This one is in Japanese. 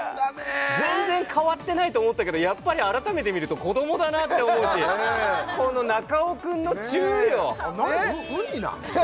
全然変わってないと思ったけどやっぱり改めて見ると子どもだなって思うしこの中尾くんのチューよねえ何ウニなん？